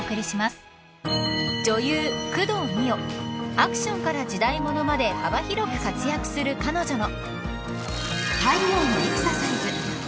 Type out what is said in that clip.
［アクションから時代物まで幅広く活躍する彼女の］